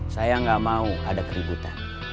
saya nggak mau ada keributan